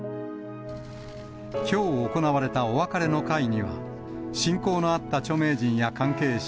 きょう行われたお別れの会には、親交のあった著名人や関係者